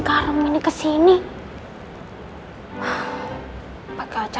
jadi mau ke sana jangan letak